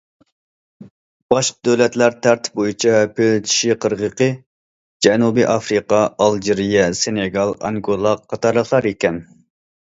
باشقا دۆلەتلەر تەرتىپ بويىچە پىل چىشى قىرغىقى، جەنۇبىي ئافرىقا، ئالجىرىيە، سېنېگال، ئانگولا قاتارلىقلار ئىكەن.